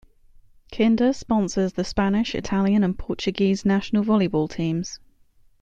Kinder sponsors the Spanish, Italian and Portuguese national volleyball teams.